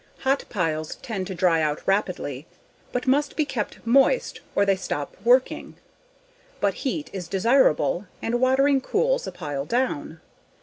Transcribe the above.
Hot piles tend to dry out rapidly, but must be kept moist or they stop working. But heat is desirable and watering cools a pile down.